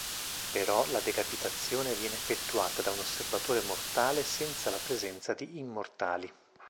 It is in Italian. Però la decapitazione viene effettuata da un Osservatore mortale senza la presenza di Immortali.